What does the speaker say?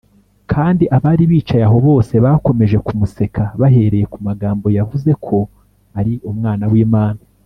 kandi abari bicaye aho bose bakomeje kumuseka bahereye ku magambo yavuze ko ari umwana w’imana,